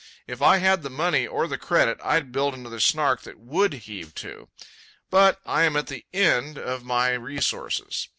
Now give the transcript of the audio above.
If I had the money or the credit, I'd build another Snark that would heave to. But I am at the end of my resources.